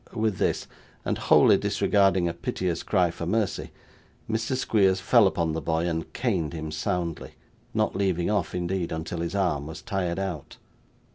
With this, and wholly disregarding a piteous cry for mercy, Mr. Squeers fell upon the boy and caned him soundly: not leaving off, indeed, until his arm was tired out.